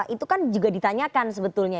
itu kan juga ditanyakan sebetulnya